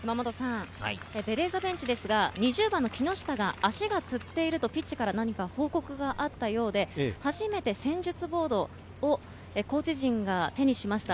ベレーザベンチは２０番・木下が足がつっているとピッチから報告があったようで、初めて戦術ボードをコーチ陣が手にしました。